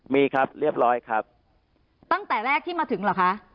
มีครับเรียบร้อยครับตั้งแต่แรกที่มาถึงเหรอคะ